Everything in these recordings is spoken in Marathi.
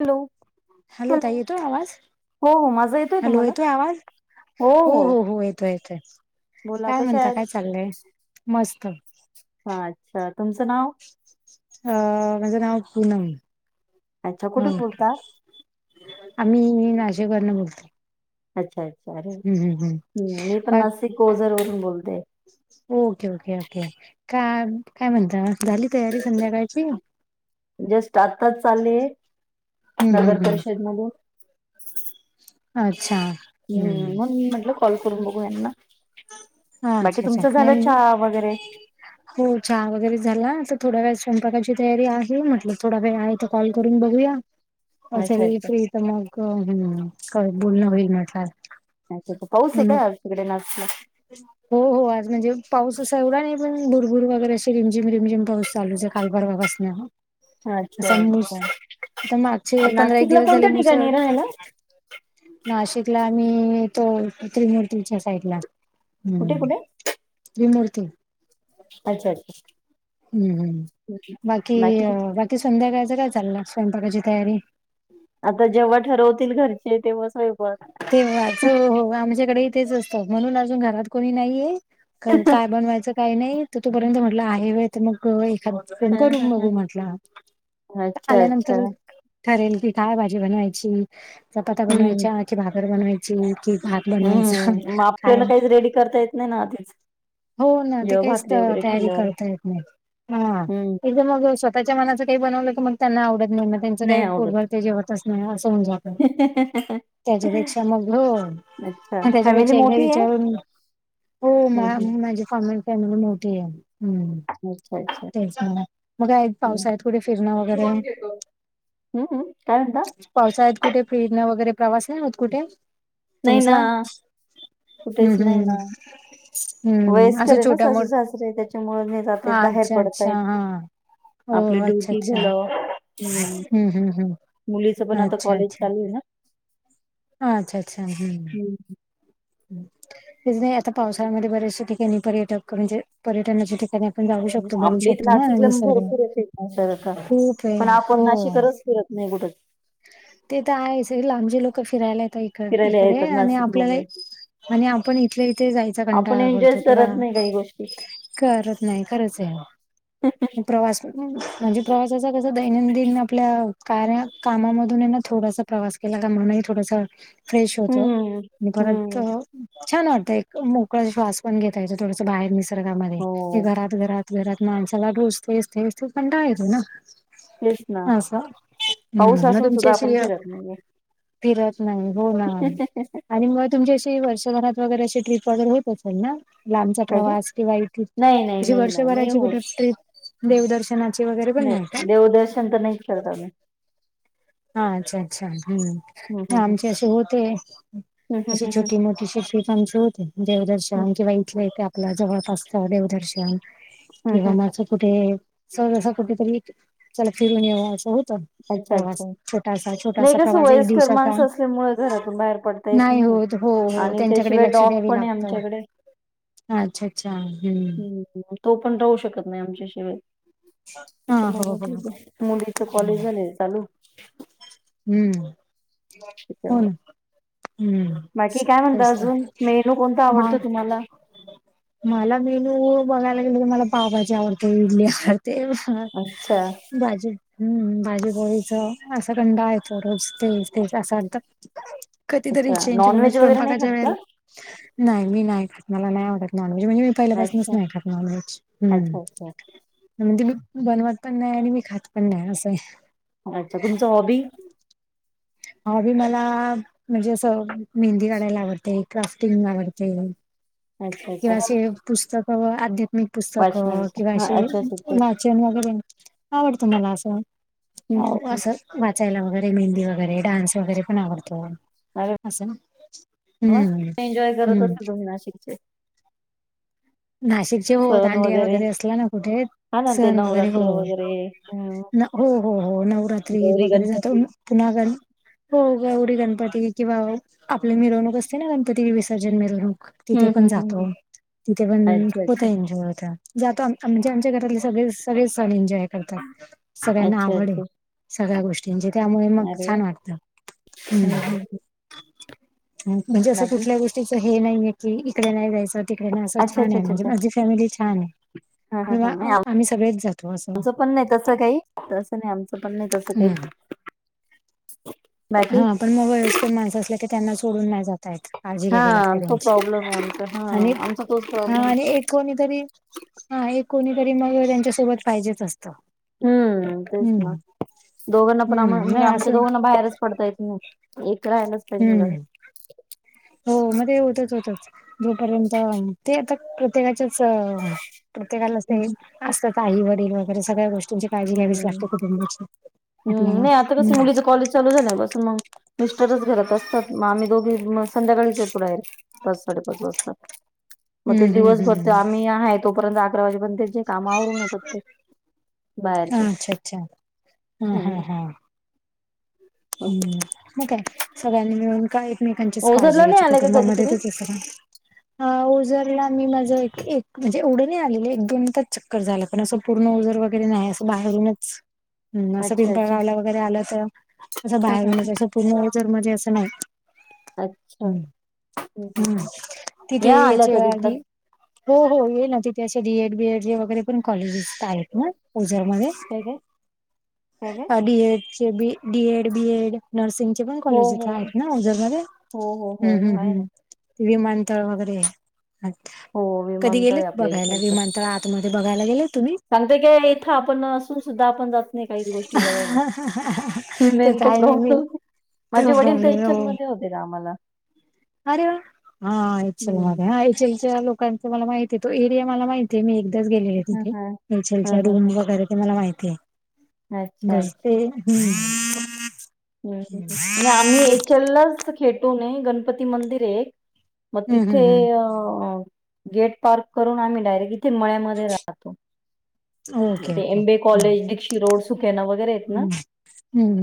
हॅलो. हॅलो तय येतो आवाज हो हो माझा येतोय हॅलो तुम्हाला आहेेतोय आवाज हो हो हो येतो येतय बोला काय कशा म्हणता काय चाललंय मस्त हा, अच्छा. तुमचं नाव? अ माझं नाव पुनम. अच्छा हो. कुठून बोलता आम्ही नाशिकवरणं बोलते. अच्छा- अच्छा. अरे, हम्. मी पण बाकी नासिक ओझर वरुन बोलते. Okay, okay, okay. काय- काय म्हणता मग? झाली तयारी संध्याकाळची. जस्ट आताच चालेय, हम्म हम्म नगर हम्म. परिषद मधून. अच्छा. हम्म. म्हण म्हटलं कॉल करून बघू यांना. बाकी अच्छा अच्छा. तुमचं झालं, नाही चहा वगैरे. हो चहा वगैरे झाला. तर थोड्या वेळात स्वयंपाकाची तयारी. आहे म्हटलं थोडा वेळ आहे. कॉल करून बघूया. अच्छा असेल अच्छा फ्री तर, मग हम्. क बोलणं होईल म्हटलं. अच्छा. पाऊसय का, तिकडे नाशिकला? [unintelligible] हो- हो. आज म्हणजे पाऊस असा एवढा नाही. पण भुरभूर वगैरे असे रिमझिम - रिमझिम पाऊस चालूचय काल परवापास अ ह. अस अच्छा नुस अच्छा त आता मागचे पंधरा एक नाशिकला दिवस झाले. कोणत्या मुस ठिकाणी राहायला नाशिकला आणि तो त्रिमूर्तीच्या साईडला. कुठे हम्म. कुठे त्रिमूर्ती. अच्छा, अच्छा. हम्म, हम्. बाकी - बाकी संध्याकाळचं काय चाललं? स्वयंपाकाची तयारी. आता जेव्हा ठरवतील घरचे. तेव्हा स्वयंपाक. तेव्हाच. हो, हो आमच्याकडे तेच असतं. म्हणून अजून घरात कोणी नाहीये. कारण, काय बनवायचं. काही नाही. तर तोपर्यंत म्हटलं आहे वेळ तर मग, एखाद तेण हम्म करून हम्म बघू म्हटलं. हम्म अच्छा अच्छा आल्यानंतर ठरेल की. काय भाजी बनवायची? चपाता हम्म बनवायच्या की भाकर बनवायची कि भात बनवायचा. हम्म मग काय आपल्याला काहीच रेडी करताय नाही ना, तेच. हो, ना. ते काहीच त तयारी करता येत नाही. हम्म ह. मग स्वतःच्या मनाचं काही बनवलं की, मग त्यांना आवडत नाही. मग त्यांचं नाही काही आवडत पोटभरते. जेवतच नाही. असं होऊन जात. त्याच्यापेक्षा मग, हो. अच्छा फॅमिली त्याच्यापेक्षा एकदा मोठी आहे विचारून. हो. म हम्म हम्म माझे कॉमेंट फॅमिली, मोठीय. हं. [unintelligible] तेच मग. उन्हाळ्यात - हम्म पावसाळ्यात कुठं फिरणं वगैरे. अं, अं. काय म्हणता? पावसाळ्यात कुठे? फिरण वगैरे प्रवास नाही होत. कुठे, नाही ना तुमचा? हम्, हम्. [inaudible] वयस्करय ना सासू -सासरे. त्याच्यामुळे नाही जाता येत हां, बाहेर. अच्छा, अच्छा. हा. आपले ड्युटी भलं. हम्. हं, हं, हं. मुलीच पण आता कॉलेज चालूय ना. ह. अच्छा - अच्छा. हम्म. हम्, ह. [unintelligible] आता, पावसाळ्यामध्ये, बऱ्याचशा ठिकाणी पर्यटक म्हणजे, पर्यटनाच्या ठिकाणी आपण जाऊ शकतो, बघू आपलीच शकतो ना नाशिकला निसर्ग. भर [unintelligible] खूप आहे. पण हो. आपण नाशिकरच फिरत नाही, कुठंच. ते तर आहेस. हे लांबचेे लोक फिरायला येत इक फिरायला -इकडे येतात आणि आपल्याला नाशिकमध्ये आणि आपण इथले इथे, जायचा आपण कंटाळा करतो. एन्जॉयच कि, बा करत नाही काही गोष्टी करत नाही. खरचय ना. प्रवास म्हणजे प्रवासाचा कस दैनंदिन आपल्या कार्या कामामधून आहे ना थोडासा प्रवास केला का म्हून थोडासा फ्रेश होत हम्म आणि परत हम्म छान वाटतं एक मोकळा श्वास पण घेता ययेत थोडस बाहेर निसर्गामध्ये हे हो घरात घरात घरात माणसाला ढोसते पणड येतो ना कृष्णा हम् मग तुमची अशी फिरत नाही होणार आणि मग तुमची अशी वर्षभरात वगैरे अशी ट्रिप वगैरे होत असेल ना लांबचा काय काय प्रवास किंवाती नाही नाही जशी नाही नाही नाही वर्षभराची कुठे होत ट्रीप देवदर्शनाची वगैरे पण नाही का? देवदर्शन तर नाही करतो म्ही हा अच्छा अच्छा हम्म आमचे असे होते हम्म अशी हम्म हम्म हम्म छोटी मो ट्रीप आमची होते हम्म देवदर्शन किंवा इथले यथे आपल्या जवळपासत देवदर्शन हम्म किंवा हम्म. मागं कुठे सजसा कुठेतरी चला फिरून यावं असं होतं अच्छा अच्छा प्रवास छोटासा नाही छोटासा कसं प्रवास एक वयस्कर दिवसाचा माणस असल्यामुळे घरातून बाहेर पडता येत नाही होत हो हो आणि त्यांच्याकडे त्याशिवाय लक्ष डॉग द्यावे पण आहे लागतं आमच्याकडे अच्छा अच्छा हम्म तो पण राहू शकत नाही आमच्या हा हो हो शिवायठी मुलीच कॉलेज चालू हम्म हो त्याच्यामुळे. ना हम्म बाकी काय म्हणता तेच तर अजून मेनू कोणता बा आवडतो तुम्हाला? मला मेनू बघायला गेले तर मला पावभाजी आवडते इडली आवडते ह अच्छा बाजू हम्म बाजू बळीस असं कंडा आहे तो रोज तेच तेच असं अर्ध कधीतरी अच्छा चेंज नॉन करण व्हेज वगैरे नाही स्वयंपाकाच्या खात का? वेळेला नाही मी नाही कर मला नाही आवडत नॉनव्हेज म्हणजे पहिल्यापासूनच अच्छा नाही टनॉज अच्छा अच्छा. म्हणजे बन पण नाही आणि मी खात पण नाही असं आहे अच्छा तुमचं हॉबी हवी मला म्हणजे असं मेहंदी काढायला आवडते क्राफ्टिंग आवडते अच्छा अच्छा किंवा असे पुस्तक आध्यात्मिक पुस्तक वाचन किंवा हा असे अच्छा अच्छा अच्छा वा वगरे आवडत मला असं हम्म हम्म हम्म अस वाचायला वगैरे मेहंदी वर डान्स वगैरे पण आवडतो अरे अस ना शिक ह नाशिकचे होत दांडिया वगैरे असला ना कुठे हा ना ते सण वगैरे नवरात्र वगैरे हम्म होत हो हो हो नवरात्री गौरी वगैरे जात गणपती पुन्हा ग हो गवी गणपती किंवा आपली मिरवणूक असते ना गणपती विसर्जन मिरवणूक तिथे हम्म पण हम्म हम्म हम्म. जातो तिथे पण.. अच्छा अच्छा होतंय जातो आमच्या आमच्या आघरातले सगळे सगळे सण एन्जॉय करतात. सगळ्यांना अच्छा आवड आहे. अच्छा सगळ्या गोष्टींचे त्यामुळे मग अरे वा छान वाटतं. हम्म.. ह म्हणजे असं बाकी कुठल्या गोष्टीच हे नाहीये कि इकडे नाही जायचं तिकडे नाही अस छान आहे म्हणजे माझी फॅमिली छान आहे ह ह ह आम्ही सगळेच जातो असं आमच पण नाही तस काही तसं नाही आमच पण नाही तसं हम्म काही बाकी हा पण मग वयस्कर माणसं असल्या तर त्यांना सोडून नाही जात आहेत काळजी हा घ्यावी लागते तो त्यांची प्रॉब्लेम आहे आमचा हा आणि आमचा तोच हा प्रॉब्लेम आणि एक कोणीतरी हा एक कोणी तरी मग त्यांच्यासोबत पाहिजेच असतं. हम्म.. तेच हम्म ना.. दोघांना पण आम्हा हम्म म्हणजे नाही आमच्या असं दोघांना बाहेरच पडता येत नाही. एक राहिलाच पाहिजे ना हम्म हो म ते होतच होत जोपर्यंत ते आता प्रत्येकाच्याच प्रत्येकालाच ते असतात आई वडील वगैरे सगळ्या गोष्टींची काळजी घ्यावीच हम्म लागते कुटुंबाची हम्म नाही आता कस मुलीचं कॉलेज चालू झाल्यापासून मग मिस्टरच घरात असतात म आम्ही दोघी संध्याकाळीच येतो डायरेक पाच साडेपाच वाजता म ते हम्म हम्म दिवसभर ते हम्म आम्ही आहे तोपर्यंत अकरा वाजेपर्यंत जे कामा आवरून येतात ते बाहेरचे अच्छा अच्छा हा हा हम्म हा असं हम्म मग काय सगळ्यांनी मिळून का एकमेकांचीच काळजी ओझरला नाही घ्यायची आलाय का कधी कुटुंबामध्ये त तुम्ही तेचना हा उजरला मी माझं एक म्हणजे एवढं नाही आलेले एक दोन तच कट झाला पण असं पूर्ण उजर वगैरे नाही असं बाहेरूनच हम्म असं अच्छा अच्छा पिंपळगावला वगैरे आलं असं असं बाहेरूनच असं पूर्ण ओझरमध्ये असं नाही. हम्म हम्म तिथे या आल्या याच्या कधी तर आधी हो हो येईना तिथे असे डीएड बीएड जे वगैरे पण कॉलेजेस आहेत ना ओझरमध्ये काय काय काय काय? डी एड चे B D Ed B Ed नर्सिंगचे पण हो कॉलेज इथे हो आहेत हो ना इथे ओझरमध्ये हो हो हो हम् हो, हम् आहे ना हम् विमानतळ वगैरे हो कधी विमानतळ आहे गेलेत आपल्या बघायला विमानतळ आत तमध्ये बघयला गेले तुम्ही सांगतोय काय इथं आपण असून सुद्धा आपण जात नाही काहीच गोष्टी बघायला. ते तर नेमका आहे नेहमी प्रॉब्लेम माझे तो वडील तर प्रॉब्लेम आहे हो इच्यन मध्ये होते कामाला अरे वा हा एचल मध्ये हा एचलच्या लोकांच मला माहिते तो एरिया मला माहिते ते मी एकदाच गेलेले हा तिथे हा एच एल हा च्या हा हा रूम वगैरे ते मला माहितीये. अच्छा बस अच्छा ते हम्म हम्म हम्म हम्म आणि आम्ही एचललाच खेटूने गणपती मंदिरे एक म तिथे हम्म हम्म अ गेट पार करून आम्ही डायरेक आम्ही इथे मळ्यामध्ये राहतो. ओके ते ओके एमबी कॉलेज दीक्षि रोड सुकेना वगैरे आहेत ना हम्म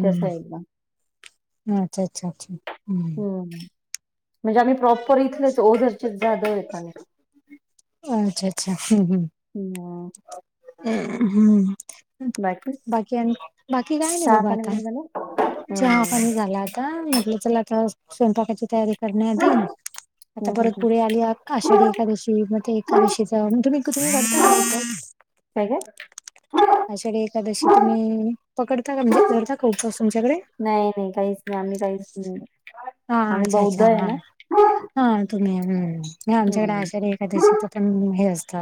त्या साइडला हा अच्छा अच्छा अच्छा हम्म म्हणजे आम्ही प्रॉपर इथलेच ओझरचेच जाधवेत आम्ही अच्छा अच्छा हम्म हम्म हम्म हम्म बाकी आणि बाकी काय नाही चहा बाबा पाणी आता वगैरे झालं? हम्म चहा हम्म पाणी झाला. ता म्हटलं चला आता स्वयंपाकाची तयारी करण्याआधी आता हम्म परत हम्म पुढे आलीया आषाढी एकादशी म ते एकादशीच तुम्ही करता का उपवास? काय काय? आषाढी एकादशी तुम्ही पकडता का म्हणजे धरता का उपवास तुमच्याकडे? नाही नाही काहीच नाही आम्ही काहीच हम् हा अच्छा अच्छा हा हा तुम्ही हम्म आमच्याकडे हम्म. आषाढी दशीच पण हे असत.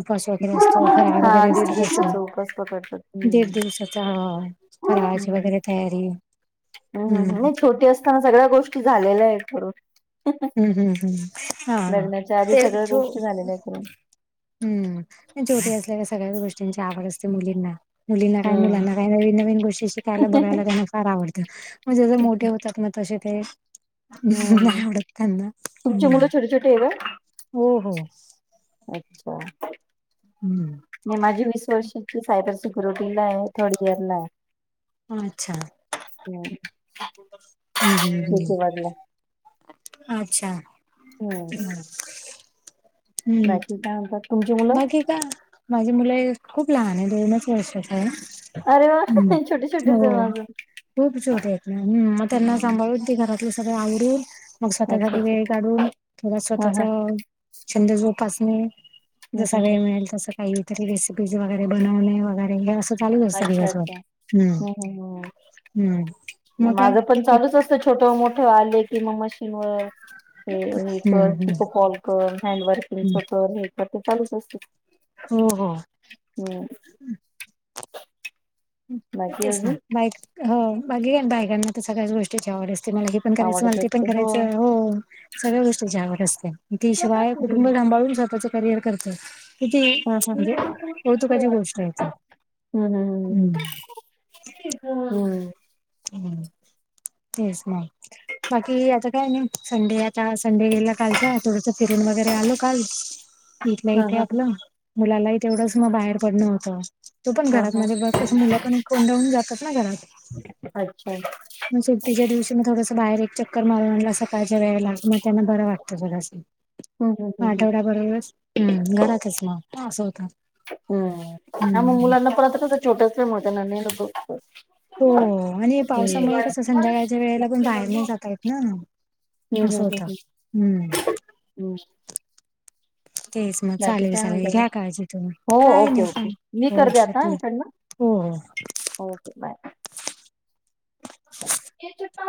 उपस वगैरे असतो फराळ हा वगैरे दीड असतो त्याच दिवसाचा उपास पकडतात. दिड हम्म. दिवसाच फराळाची वगैरे तयारी हम हम्म मी छोटी असताना सगळ्या गोष्टी झालेल्या आहेत करून हम्म हम्म हम्म हा लग्नाच्या आधी ते सगळ्या छो गोष्टी झालेल्या आहेत करून हम्म छोटी असलेल्या सगळ्याच गोष्टींची आवड असते मुलींना मुलींना काय हम्म मुलांना काही नवीन नवीन गोष्टी शिकायला बघायला त्यांना फार आवडतं म्हणजे ज मोठे होतात. तसे ते हम्म. नाही आवडत त्यांना तुमची हम्म मुलं छोटी छोटी आहे का? हो हो अच्छा हम्म मी माझे मिस्टर वीस वर्षाची सायबंर सिक्युंरिटीलां आहे थर्ड इयंर लां आहे. अच्छा. ते. [unintelligible] हम्मं हम्मं अच्छा. हम्मं बांकी कायं म्हणतांत बांकी कां माझी मुलं खूंप लहांन आहे दोनचं वर्षाचं आहे. अरे वा छोटे छोटेच हम्मं हो आहे माझं. खूंप छोट आहेतं नां हंम मंग त्यांना हम्म सांभाळून ती घरांत. ते सगळं आवरूंन मंग अच्छा स्वंतःसांठी अच्छा वेळ काढूंन थोडं हा हा स्वंतःचं. छंद जोपांसने. हम्म जसां हम्म. हम्म. वेळ मिळेलं तसं कांहीतरी रेसिपीज वगैरें बनवणे वगैरें हे. चालूं असतें अच्छा दिवसंभर अच्छा. हम्मं हम्म हम्म हम्म हम्मं. माझं पणं चालूंचं असतं छोट मोठं आले कि मंग मं किं हे हे हम्म करं हम्म इथं कॉल करं हँड वर्किंगचं हम्म करं. असं चालूंचं असतें. हो हो. हम्मं. बाकी तेचं अजून नां बांक बांकी बायकांनां तरं सगळ्यांचं गोष्टींची आवडं असतें मलां पणं करायचं आवडच म्हंणते पणं असते करायचं हो सगळ्यां गोष्टीं ज्यांवर असतें तीशिवायं कुटुंब थांबाळूंन स्वंतःं करिअर करतं किती हम्म म्हणजे कौतुकांची गोष्टं आहेतं. हम्मं हमं हंम हम्मं हमं हं तेचं नाहीं बांकी आतां कायं नाहीं संडे. आतां संडे गेलां कालचां थोडंसं फिरूंन वगैरें आलो कांल इथल्यां हां, इथे हां, आपलं. मुलांलाही तेवढंचं मंग बाहेर पडणं होतं. तो पणं हां, घरांत हां. मध्यें बघं कसं मुलं पणं कोंडाहून जातातं नां घरांत. अच्छा. मंग सुेटीच्यां दिवशी मंग थोडंसं बाहेर एक चक्कर मारूंन आणला सकाळच्यां वेळेलां मंग त्यांना बरं वाटतं. हं, हं, हं, हं. आठवड्यां बरोबरचं हम्मं घरातचं नां असं होत. हम्मं हं मंग हम्म मुलांना परंत कसं छोट्यांच पते नां. हो आणि पावसांमुळे कसं संध्याकाळच्यां वेळेलां पणं बाहेर नाहीं जातां येतं नां. असं होतं हम्मं. हम्मं. तेचं मंग चालेलं काय चालेलं म्हणता अजून? घ्यां काळजी तुम्हीं हो, कायं ओके, नाहीं ओके. सांग मी हो. करते हो ओ हो. हो बांय. हे तर. [unintelligible]